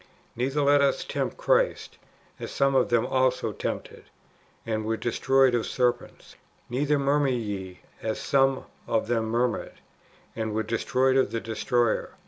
Neither let us tempt Christ, as some of them also tempted, and were destroyed of serpents. Neither murmur ye, as some of them murmured, and were destroyed of the destroyer.